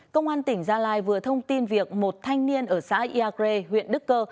công an tỉnh gia lai vừa thông tin việc một thanh niên ở xã iagre huyện đức cơ